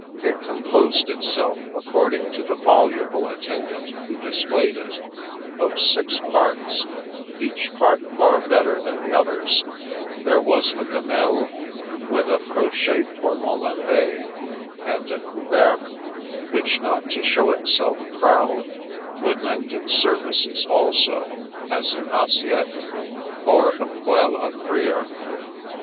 It composed itself, according to the voluble attendant who dis played it, of six parts, each part far better than the others. There was a gamelle, with a " crochet pour Venlever '^ and a couvercle, which, not to show itself 52 The Princess Passes proud, would lend its services also as an assiette or a poele d frire.